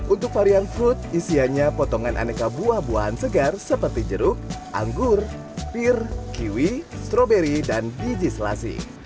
untuk varian fruit isiannya potongan aneka buah buahan segar seperti jeruk anggur pir kiwi stroberi dan biji selasi